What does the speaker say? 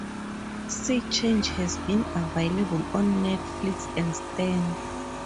SeaChange has been available on Netflix and Stan.